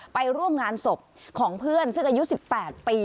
ไปร่วมงานศพของเพื่อนซึ่งอายุ๑๘ปี